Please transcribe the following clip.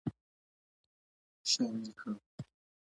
شامل کړل.